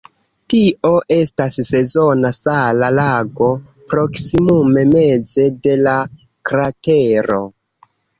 Tio estas sezona sala lago proksimume meze de la kratero.